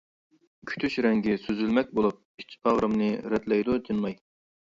كۈتۈش رەڭگى سۈزۈلمەك بولۇپ، ئىچ-باغرىمنى رەتلەيدۇ تىنماي.